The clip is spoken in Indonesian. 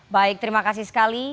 baik terima kasih sekali